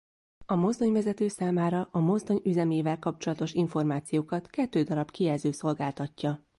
A mozdonyvezető számára a mozdony üzemével kapcsolatos információkat kettő darab kijelző szolgáltatja.